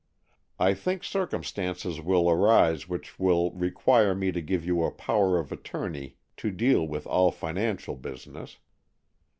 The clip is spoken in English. I think circumstances will arise which will require me to give you a power of attorney to deal with all financial busi ness.